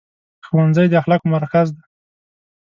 ښوونځی د اخلاقو مرکز دی.